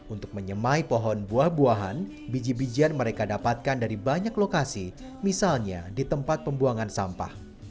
untuk menyemai pohon buah buahan biji bijian mereka dapatkan dari banyak lokasi misalnya di tempat pembuangan sampah